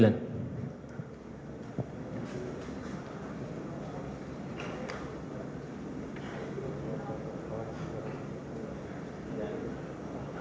nah sembilan ini